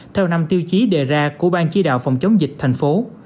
theo năm tiêu chí đề ra của ban chí đạo phòng chống dịch thành phố